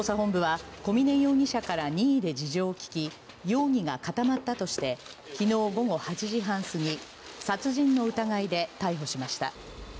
捜査本部は小峰容疑者から任意で事情を聴き、容疑が固まったとして、昨日午後８時半過ぎ、殺人の疑いで逮捕しました。